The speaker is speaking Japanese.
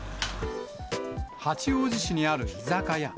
八王子市にある居酒屋。